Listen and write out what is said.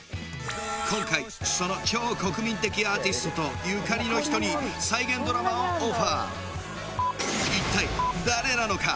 今回その超国民的アーティストとゆかりの人に再現ドラマをオファー一体誰なのか？